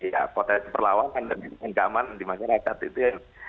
ya potensi perlawanan dan ancaman di masyarakat itu yang